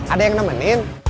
ada yang nemenin